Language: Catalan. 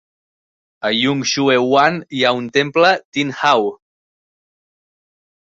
A Yung Shue Wan hi ha un temple Tin Hau.